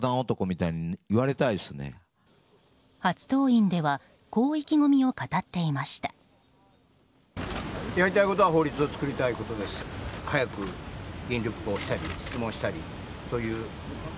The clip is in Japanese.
初登院ではこう意気込みを語っていました。